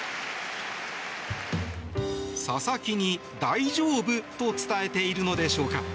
佐々木に、大丈夫と伝えているのでしょうか。